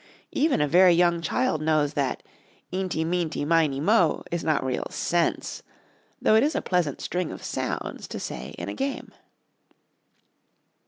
Even a very young child knows that "eenty meenty meiny moe" is not real sense, though it is a pleasant string of sounds to say in a game.